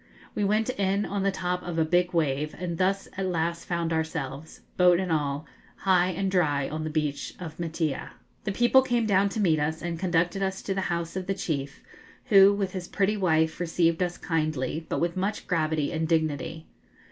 We went in on the top of a big wave, and thus at last found ourselves boat and all high and dry on the beach of Maitea. The people came down to meet us, and conducted us to the house of the chief, who, with his pretty wife, received us kindly, but with much gravity and dignity.